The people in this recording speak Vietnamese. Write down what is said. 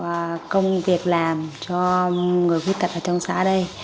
và công việc làm cho người khuyết tật ở trong xã đây